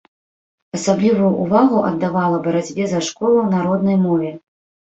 Асаблівую ўвагу аддавала барацьбе за школу на роднай мове.